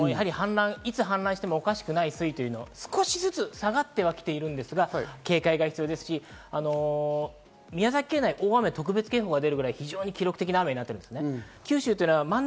いつ氾濫してもおかしくない水位というのは少しずつ下がってはきているんですが、警戒が必要ですし、宮崎県内、大雨特別警報が出るくらい記録的な雨になってるんです。